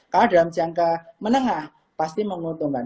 kalau dalam jangka menengah pasti menguntungkan